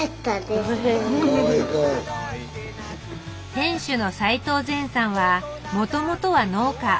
店主の斉藤全さんはもともとは農家。